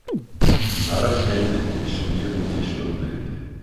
Narrenhände beschmieren Tisch und Wände.